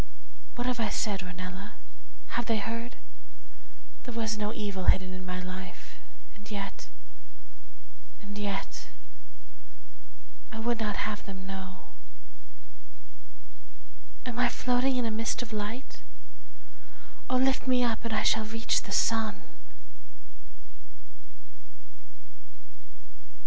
What have I said, Ornella? Have they heard? There was no evil hidden in my life, And yet, and yet, I would not have them know Am I not floating in a mist of light? O lift me up and I shall reach the sun!